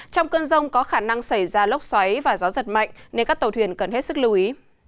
trong cơn rông có khả năng xảy ra lốc xoáy và gió giật mạnh nên các tàu thuyền cần hết sức lưu ý